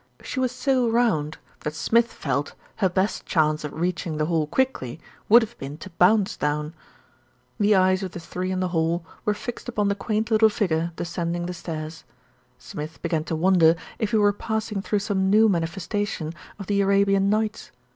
She was so round that Smith felt her best chance of reaching the hall quickly would have been to bounce down. The eyes of the three in the hall were fixed upon the quaint little figure descending the stairs. Smith began to wonder if he were passing through some new manifestation of the Arabian Nights.